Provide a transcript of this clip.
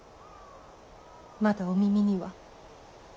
まだお耳には。